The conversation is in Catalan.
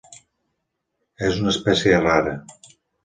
És una espècie rara.